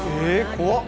怖っ！